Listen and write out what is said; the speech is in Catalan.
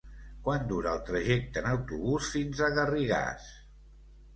Quant dura el trajecte en autobús fins a Garrigàs?